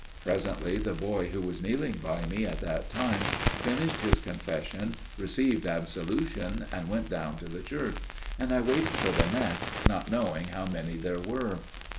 "Presently the boy who was kneeling by me at that time finished his confession, received absolution and went down the church, and I waited for the next, not knowing how many there were.